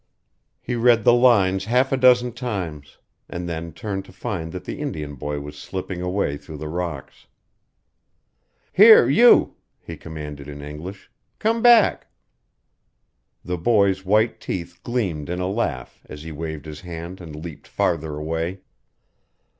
He read the lines half a dozen times, and then turned to find that the Indian boy was slipping sway through the rocks. "Here you," he commanded, in English. "Come back!" The boy's white teeth gleamed in a laugh as he waved his hand and leaped farther away.